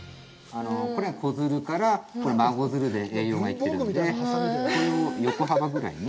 これが、小づるから孫づるで栄養が行ってるんでこれを横幅ぐらいに。